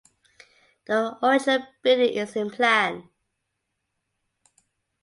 The original building is in plan.